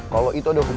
kalau itu udah hukum